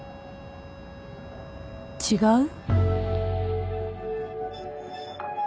違う？